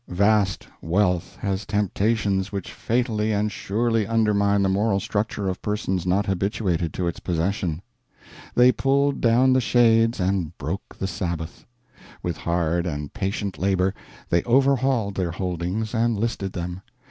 Vast wealth has temptations which fatally and surely undermine the moral structure of persons not habituated to its possession. They pulled down the shades and broke the Sabbath. With hard and patient labor they overhauled their holdings and listed them.